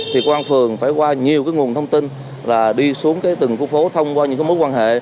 thì công an phường phải qua nhiều nguồn thông tin đi xuống từng phố thông qua những mối quan hệ